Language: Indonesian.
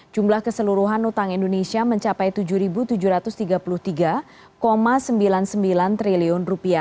jumlah keseluruhan utang indonesia mencapai rp tujuh tujuh ratus tiga puluh tiga sembilan puluh sembilan triliun